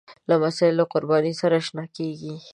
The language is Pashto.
لمسی له قربانۍ سره اشنا کېږي.